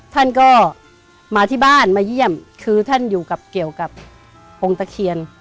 ท่านก็มาที่บ้านมาเยี่ยมคือท่านอยู่กับเกี่ยวกับองค์ตะเคียน